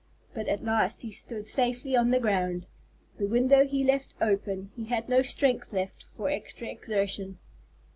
But at last he stood safely on the ground. The window he left open; he had no strength left for extra exertion.